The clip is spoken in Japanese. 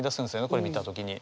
これ見た時に。